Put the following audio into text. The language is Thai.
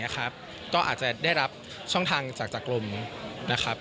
ก็อาจจะได้รับช่องทางจากกลุ่มนะครับ